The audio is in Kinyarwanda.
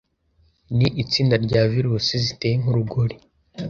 ni itsinda rya virusi ziteye nk'urugori